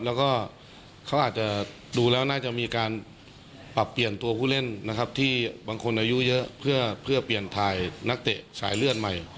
แล้วก็เขาอาจจะดูแล้วน่าจะมีการปรับเปลี่ยนตัวผู้เล่นนะครับที่บางคนอายุเยอะเพื่อเปลี่ยนถ่ายนักเตะสายเลือดใหม่